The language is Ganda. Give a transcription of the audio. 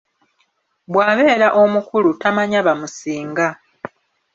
Bw'abeera omukulu, tamanya bamusinga.